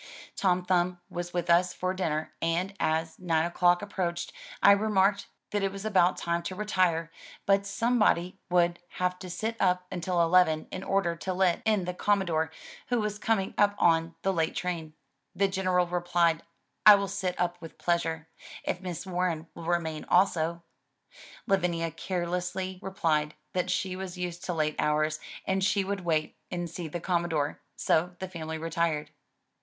Tom Thumb was with us for dinner and as nine o'clock ap proached, I remarked that it was about time to retire, but some body would have to sit up until eleven, in order to let in the Com modore, who was coming up on the late train. The General replied " I will sit up with pleasure, if Miss Warren will remain also." Lavinia carelessly replied that she was used to late hours and she would wait and see the Commodore, so the family retired.